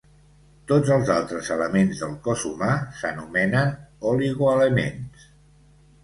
Tots els altres elements del cos humà s'anomenen "oligoelements".